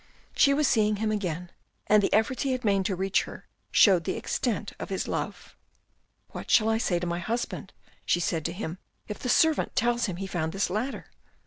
She was seeing him again and the efforts he had made to reach her showed the extent of his love. " What shall I say to my husband," she said to him. " If the servant tells him he found this ladder